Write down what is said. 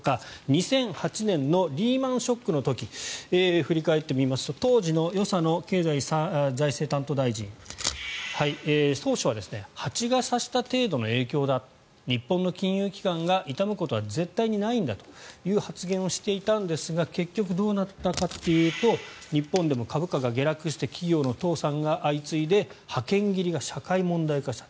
２００８年のリーマン・ショックの時を振り返ってみますと当時の与謝野経済財政担当大臣当初は蜂が刺した程度の影響だ日本の金融機関が傷むことは絶対にないんだという発言をしたんですが結局どうなったかというと日本でも株価が下落して企業の倒産が相次いで派遣切りが社会問題化した。